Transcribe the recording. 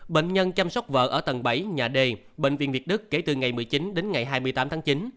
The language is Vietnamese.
bệnh nhân chăm sóc vợ ở tầng bảy nhà d bệnh viện việt đức kể từ ngày một mươi chín đến ngày hai mươi tám tháng chín